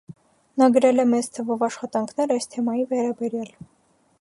Նա գրել է մեծ թվով աշխատանքներ այս թեմայի վերաբերյալ։